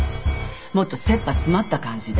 もっと切羽詰まった感じで。